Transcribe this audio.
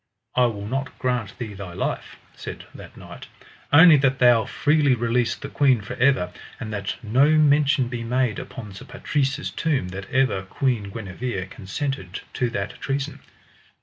I will not grant thee thy life, said that knight, only that thou freely release the queen for ever, and that no mention be made upon Sir Patrise's tomb that ever Queen Guenever consented to that treason.